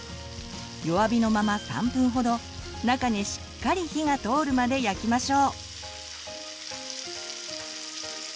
弱火のまま３分ほど中にしっかり火が通るまで焼きましょう！